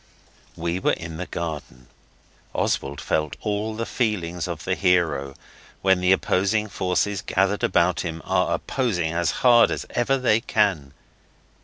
We were in the garden. Oswald felt all the feelings of the hero when the opposing forces gathered about him are opposing as hard as ever they can.